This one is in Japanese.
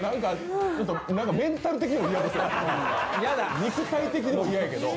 肉体的にも嫌やけど。